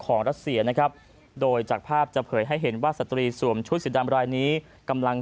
รัสเซียนะครับโดยจากภาพจะเผยให้เห็นว่าสตรีสวมชุดสีดำรายนี้กำลัง